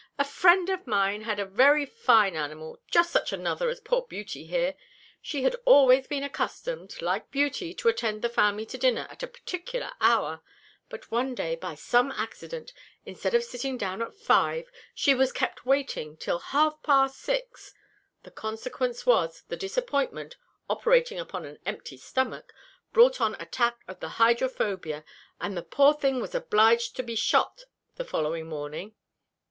A friend of mine had a very fine animal just such another as poor Beauty there she had always been accustomed, like Beauty, to attend the family to dinner at a particular hour; but one day, by some accident, instead of sitting down at five, she was kept waiting till half past six; the consequence was, the disappointment, operating upon an empty stomach, brought on an attack of the hydrophobia, and the poor thing was obliged to be shot the following morning.